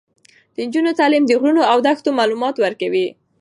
د نجونو تعلیم د غرونو او دښتو معلومات ورکوي.